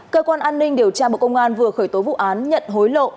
cơ quan an ninh điều tra bộ công an vừa khởi tố vụ án nhận hối lộ